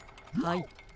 はい。